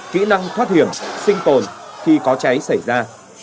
kỹ năng thoát hiểm sinh tồn khi có cháy xảy ra